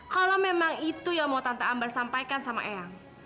kalau memang itu yang mau tante ambar sampaikan sama eyang